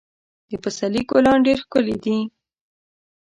د پسرلي ګلان ډېر ښکلي دي.